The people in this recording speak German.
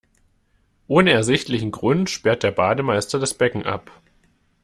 Ohne ersichtlichen Grund sperrt der Bademeister das Becken ab.